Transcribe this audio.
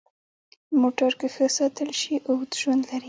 موټر که ښه ساتل شي، اوږد ژوند لري.